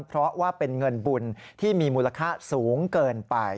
เพราะว่าเป็นเงินบุญที่มีมูลค่าสูงเกินไป